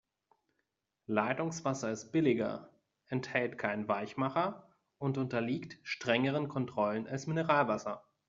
Leitungswasser ist billiger, enthält keinen Weichmacher und unterliegt strengeren Kontrollen als Mineralwasser.